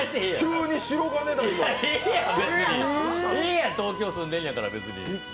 ええや、東京、住んでんやから、別に。